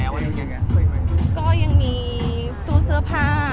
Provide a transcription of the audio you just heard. แม็กซ์ก็คือหนักที่สุดในชีวิตเลยจริง